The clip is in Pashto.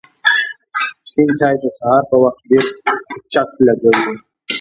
شین چای د سهار په وخت ډېر چک لږوی